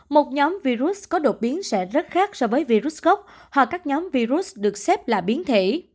một nhóm virus có đột biến sẽ rất khác so với virus cốc hoặc các nhóm virus được xếp là biến thể